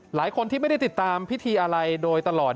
หลายคนที่ไม่ได้ติดตามพิธีอะไรโดยตลอด